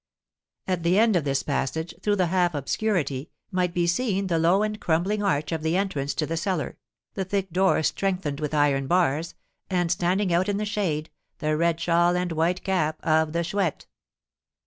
At the end of this passage, through the half obscurity, might be seen the low and crumbling arch of the entrance to the cellar, the thick door strengthened with iron bars, and, standing out in the shade, the red shawl and white cap of the Chouette.